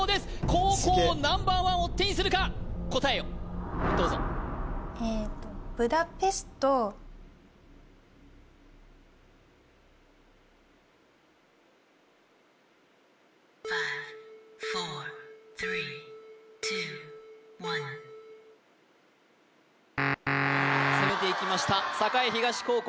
高校Ｎｏ．１を手にするか答えをどうぞ攻めていきました栄東高校